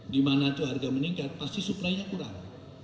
di mana itu harga meningkat pasti suplainya kurang